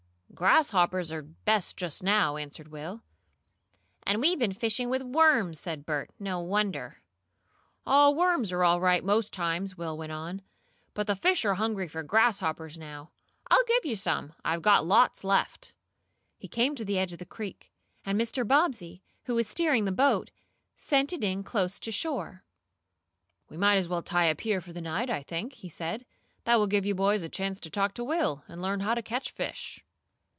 "Grasshoppers are best just now," answered Will. "And we've been fishing with worms!" said Bert. "No wonder!" "Oh, worms are all right most times," Will went on. "But the fish are hungry for grasshoppers now. I'll give you some. I've got lots left." He came to the edge of the creek, and Mr. Bobbsey, who was steering the boat, sent it in close to shore. "We might as well tie up here for the night, I think," he said. "That will give you boys a chance to talk to Will, and learn how to catch fish."